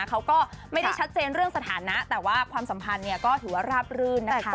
เขาก็ไม่ได้ชัดเจนเรื่องสถานะแต่ว่าความสัมพันธ์ก็ถือว่าราบรื่นนะคะ